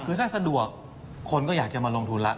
ถ้าต้องความดวกคนก็อยากจะมาลงทุนละ